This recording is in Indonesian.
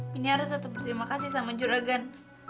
mini harus harus berserima kasih sama juragan